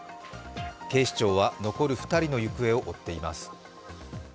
警視庁は残る２人の行方を追っています。